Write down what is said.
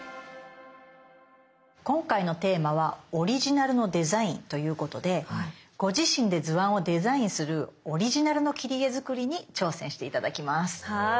今回のテーマは「オリジナルのデザイン」ということでご自身で図案をデザインするオリジナルの切り絵作りに挑戦して頂きます。